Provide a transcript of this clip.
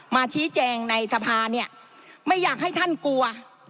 มาชี้แจงในสภาเนี่ยไม่อยากให้ท่านกลัว